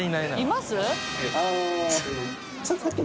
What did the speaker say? います？